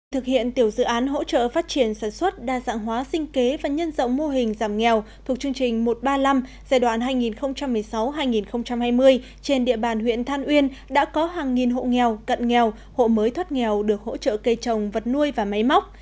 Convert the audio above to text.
thực hiện tiểu dự án hỗ trợ phát triển sản xuất đa dạng hóa sinh kế và nhân rộng mô hình giảm nghèo thuộc chương trình một trăm ba mươi năm giai đoạn hai nghìn một mươi sáu hai nghìn hai mươi trên địa bàn huyện than uyên đã có hàng nghìn hộ nghèo cận nghèo hộ mới thoát nghèo được hỗ trợ cây trồng vật nuôi và máy móc